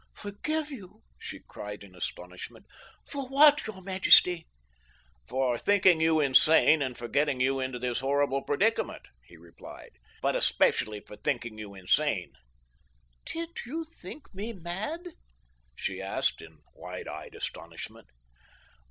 "Forgive you!" she cried in astonishment. "For what, your majesty?" "For thinking you insane, and for getting you into this horrible predicament," he replied. "But especially for thinking you insane." "Did you think me mad?" she asked in wide eyed astonishment.